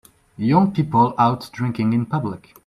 Young people out drinking in public